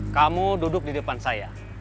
kamu duduk di depan saya